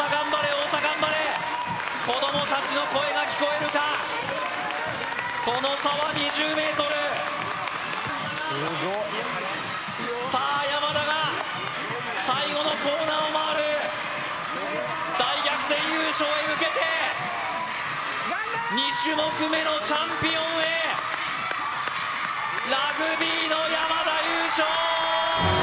太田頑張れ子ども達の声が聞こえるかその差は２０ｍすごいさあ山田が最後のコーナーを回る大逆転優勝へ向けて２種目目のチャンピオンへラグビーの山田優勝！